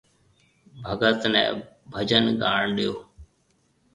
ڀگت نَي ڀجن گاڻ ڏيو۔